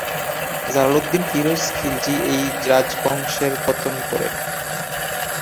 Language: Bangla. জালালউদ্দিন ফিরোজ খিলজি এই রাজবংশের পত্তন করেন।